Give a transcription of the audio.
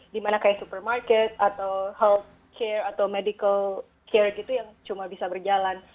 dimana kayak supermarket atau health care atau medical care itu yang cuma bisa berjalan